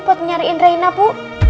buat nyariin reina bu